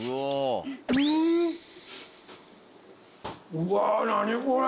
うわ何これ！